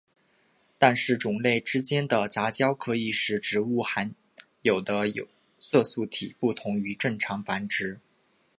但是种类之间的杂交可以使植物含有的色素体不同于正常繁殖。